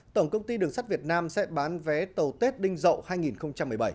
tổng công ty đường sắt việt nam sẽ bán vé tàu tết đinh dậu hai nghìn một mươi bảy